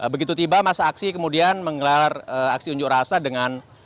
begitu tiba masa aksi kemudian menggelar aksi unjuk rasa dengan